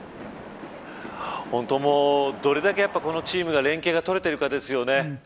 どれだけ、このチームの連携がとれているかです。